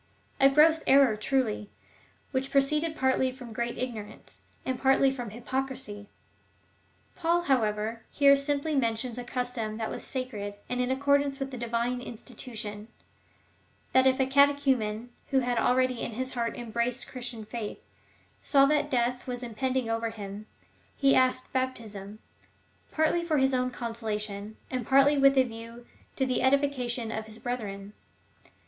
^ A gross error truly, which proceeded partly from great ignorance, and partly from hypocrisy ! Paul, how ever, here simj^ly mentions a custom that was sacred, and in accordance with the Divine institution — that if a cate chumen, who had already in his heart embraced the Chris tian faith,^ saw that death was impending over him, he asked baptism, partly for his own consolation, and partly with a view to the edification of his brethren.